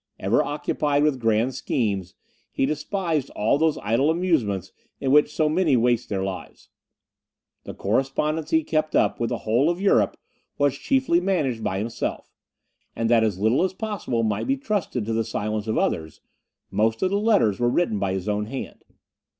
Ever occupied with grand schemes, he despised all those idle amusements in which so many waste their lives. The correspondence he kept up with the whole of Europe was chiefly managed by himself, and, that as little as possible might be trusted to the silence of others, most of the letters were written by his own hand.